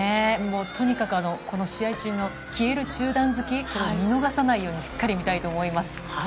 とにかく試合中の消える中段突き、見逃さないようにしっかり見たいと思います。